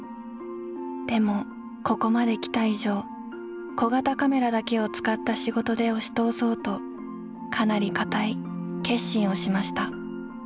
でもここまで来た以上小型カメラだけを使った仕事で押しとうそうとかなりかたい決心をしました」。